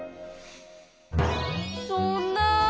そんなあ。